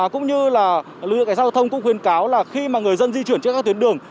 cũng như là lực lượng cảnh sát giao thông cũng khuyến cáo là khi mà người dân di chuyển trước các tuyến đường